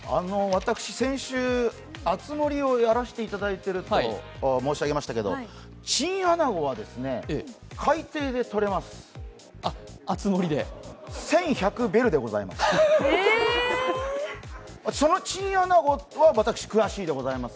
私、先週、「あつ森」をやらせていただいていると申し上げましたけど、チンアナゴは海底でとれます、１１００ベルでございます。